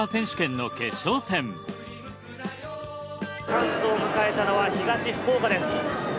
チャンスを迎えたのは東福岡です。